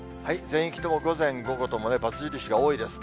全域とも午前、午後ともね、バツ印が多いです。